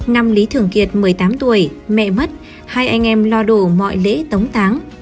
năm lý thường kiệt một mươi tám tuổi mẹ mất hai anh em lo đổ mọi lễ tống táng